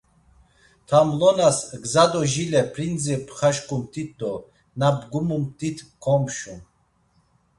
Tamlonas gza do jile p̌rindzi pxaşǩumt̆it do na bgumumt̆it komşun.